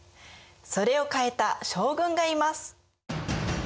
それを変えた将軍がいます。